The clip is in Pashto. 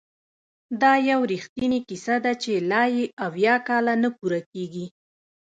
دا یو رښتینې کیسه ده چې لا یې اویا کاله نه پوره کیږي!